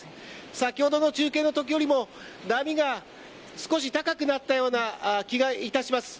先ほどの中継のときよりも波が少し高くなったような気がいたします。